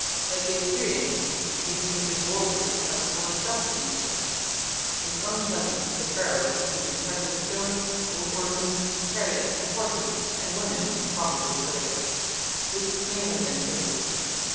Like the Assyrian king, he hinted that gold was as plentiful as dust in Egypt. His own presents to the Pharaoh included precious stones, gold ornaments, chariots and horses, and women (probably slaves). This may have been tribute.